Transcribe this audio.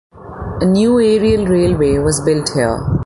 A new aerial railway was built here.